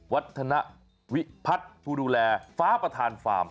วัฒนวิพัฒน์ผู้ดูแลฟ้าประธานฟาร์ม